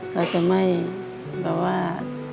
เราจะไม่แบบว่า